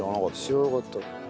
知らなかった。